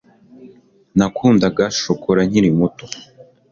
Nakundaga shokora nkiri muto